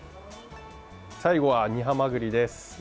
最後は煮ハマグリです。